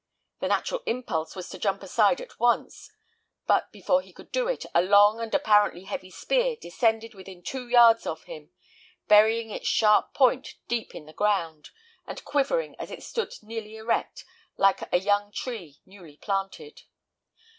The natural impulse was to jump aside at once; but before he could do it, a long and apparently heavy spear descended within two yards of him, burying its sharp point deep in the ground, and quivering as it stood nearly erect, like a young tree newly planted.